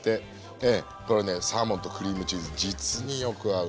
これねサーモンとクリームチーズ実によく合うんです。